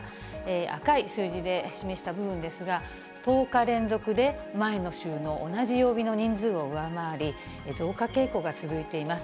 赤い数字で示した部分ですが、１０日連続で、前の週の同じ曜日の人数を上回り、増加傾向が続いています。